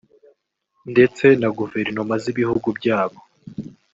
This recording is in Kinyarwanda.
ndetse na Guverinoma z’ibihugu byabo